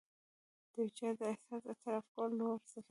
د یو چا د احسان اعتراف کول لوړ صفت دی.